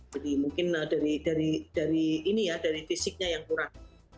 jadi mungkin dari fisiknya yang kurang